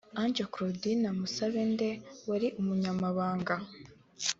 Ange Claudine Musabende wari umunyamabanga